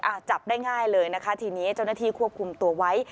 จับได้ง่ายเลยนะคะทีนี้เจ้าหน้าที่ควบคุมตัวไว้